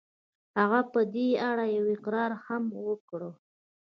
هغه په دې اړه يو اقرار هم وکړ.